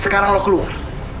sekarang lo keluar